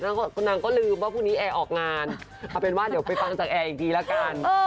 นางก็ลืมว่าพรุ่งนี้แอร์ออกงานเอาเป็นว่าเดี๋ยวไปฟังจากแอร์อีกทีละกัน